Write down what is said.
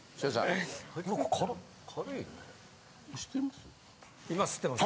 ・吸ってます？